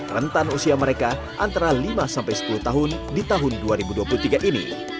rentan usia mereka antara lima sampai sepuluh tahun di tahun dua ribu dua puluh tiga ini